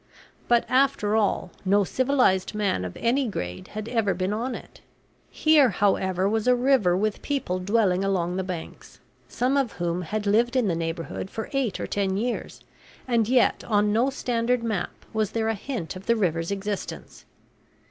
But, after all, no civilized man of any grade had ever been on it. Here, however, was a river with people dwelling along the banks, some of whom had lived in the neighborhood for eight or ten years; and yet on no standard map was there a hint of the river's existence.